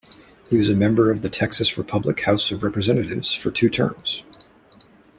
He was a member of the Texas Republic House of Representatives for two terms.